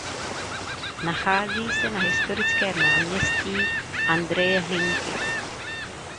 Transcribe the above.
Nachází se na historickém náměstí Andreje Hlinky.